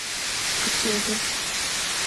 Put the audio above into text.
苦痛です。